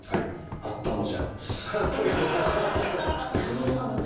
「あったのじゃ」